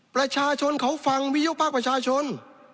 ประชาชนเขาฟังวิยุภาคประชาชน